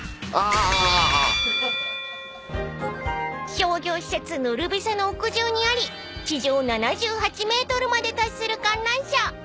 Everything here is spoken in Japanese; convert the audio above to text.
［商業施設ノルベサの屋上にあり地上７８ｍまで達する観覧車］